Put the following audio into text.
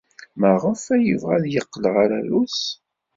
Maɣef ay yebɣa ad yeqqel ɣer Rrus?